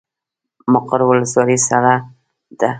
مقر ولسوالۍ سړه ده؟